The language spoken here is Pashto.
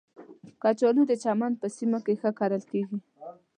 کچالو د چمن په سیمو کې ښه کرل کېږي